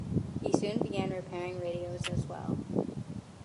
He soon began repairing radios as well.